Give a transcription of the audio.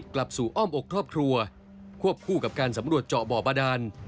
กลับสู่อ้อมอกครอบครัวควบคู่กับการสำรวจเจาะบ่อบาดาน